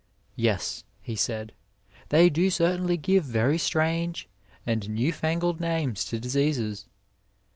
Yes, he said, they do certainly give very strange and new fangled names to diseases.